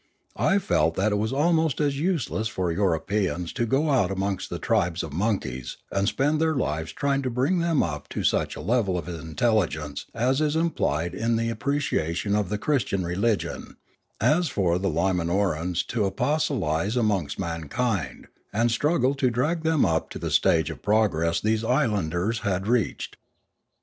I felt that it was almost as useless for Euro peans to go out amongst the tribes of monkeys and spend their lives trying to bring them up to such a level of intelligence as is implied in the appreciation of the Christian religion, as for the Limanorans to apos tolise amongst mankind, and struggle to drag them up to the stage of progress these islanders had reached.